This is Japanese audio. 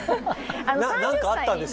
何かあったんですか？